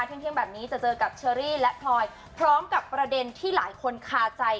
เที่ยงแบบนี้จะเจอกับเชอรี่และพลอยพร้อมกับประเด็นที่หลายคนคาใจ